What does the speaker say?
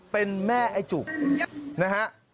เป็นแม่ไอ้จุกนะฮะ